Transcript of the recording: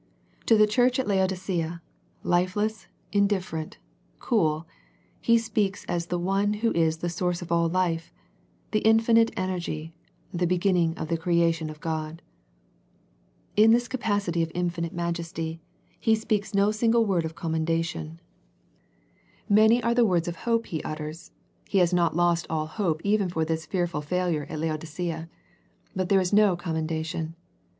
To the church at Laodicea, lifeless, indiffer ent, cool. He speaks as the One Who is the Source of all life, the infinite Energy, the be ginning of the creation of God. In this capacity of infinite majesty He The Laodicea Letter 195 speaks no single word of commendation. Many are the words of hope He utters. He has not lost all hope even for this fearful failure at Laodicea. But there is no commendation.